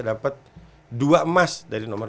dapat dua emas dari nomor